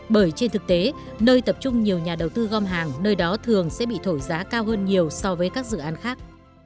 bởi trên thực tế nơi tập trung nhiều nhà đầu tư gom hàng nơi đó thường sẽ bị thổi giá cao hơn nhiều so với các dự án khác